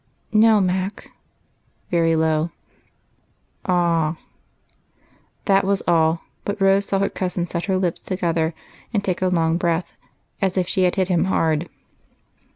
" No, Mac," very low. "Ah!" That was all, but Rose saw her cousin set his lips together and take a long breath, as if she had hit him hard.